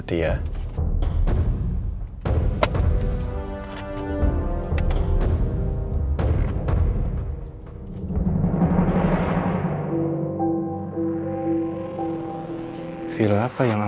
kayaknya dia bisa buat susah kesepakan ya gak